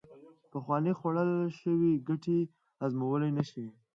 پخوانې خوړل شوې ګټې هضمولې نشي